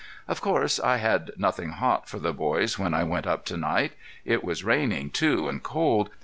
Of course I had nothing hot for the boys when I went up to night. It was raining, too, and cold.